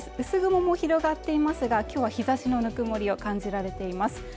薄雲も広がっていますが今日は日差しのぬくもりを感じられています